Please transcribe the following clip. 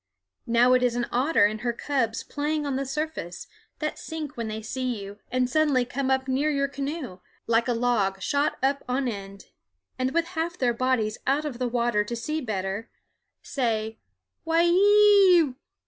Now it is an otter and her cubs playing on the surface, that sink when they see you and suddenly come up near your canoe, like a log shot up on end, and with half their bodies out of water to see better say _w h e e e yew!